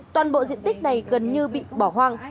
toàn bộ diện tích này gần như bị bỏ hoang